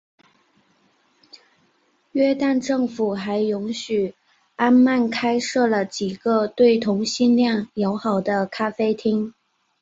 约旦政府还容许安曼开设了几个对同性恋友好的咖啡厅。